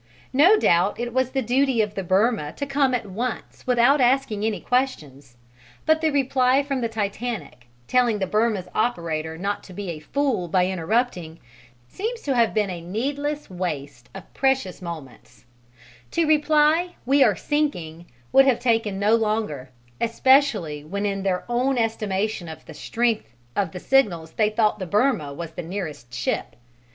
No doubt it was the duty of the Birma to come at once without asking any questions, but the reply from the Titanic, telling the Birma's operator not to be a "fool" by interrupting, seems to have been a needless waste of precious moments: to reply, "We are sinking" would have taken no longer, especially when in their own estimation of the strength of the signals they thought the Birma was the nearer ship.